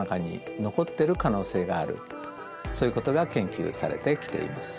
そういうことが研究されてきています。